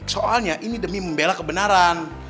soalnya ini demi membela kebenaran